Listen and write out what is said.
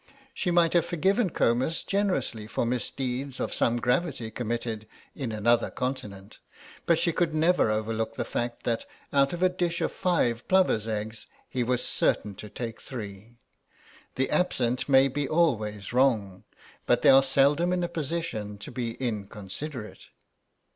She might have forgiven Comus generously for misdeeds of some gravity committed in another continent, but she could never overlook the fact that out of a dish of five plovers' eggs he was certain to take three. The absent may be always wrong, but they are seldom in a position to be inconsiderate.